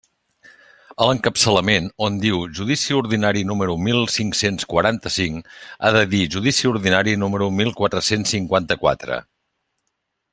A l'encapçalament, on diu «judici ordinari número mil cinc-cents quaranta-cinc»; ha de dir «judici ordinari número mil quatre-cents cinquanta-quatre».